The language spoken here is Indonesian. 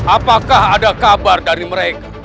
apakah ada kabar dari mereka